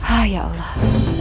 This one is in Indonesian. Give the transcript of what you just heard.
ah ya allah